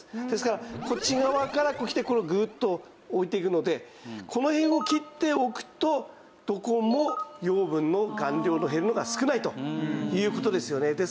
ですからこっち側からきてグーッと置いていくのでこの辺を切っておくとどこも養分の含量の減るのが少ないという事ですよね。